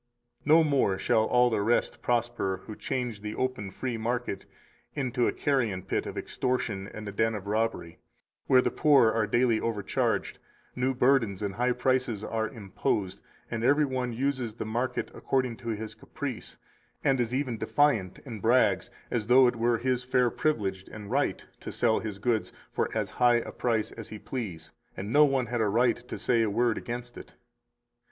240 No more shall all the rest prosper who change the open free market into a carrion pit of extortion and a den of robbery, where the poor are daily overcharged, new burdens and high prices are imposed, and every one uses the market according to his caprice, and is even defiant and brags as though it were his fair privilege and right to sell his goods for as high a price as he please, and no one had a right to say a word against it.